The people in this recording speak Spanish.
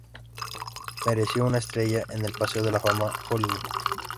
Mereció una estrella en el Paseo de la Fama de Hollywood.